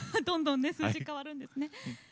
どんどんね数字変わるんですね。